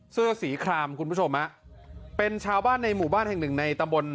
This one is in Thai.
เสื้อสีครามคุณผู้ชมฮะเป็นชาวบ้านในหมู่บ้านแห่งหนึ่งในตำบล